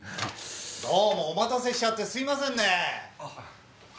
どうもお待たせしちゃってすいませんねぇ。